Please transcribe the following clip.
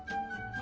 あ。